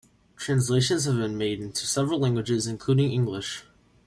Translations have been made into several languages, including English.